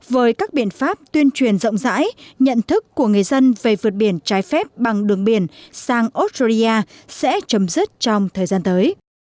với các biện pháp tuyên truyền rộng rãi nhận thức của người dân về vượt biển trái phép bằng đường biển sang australia sẽ chấm dứt trong thời gian tới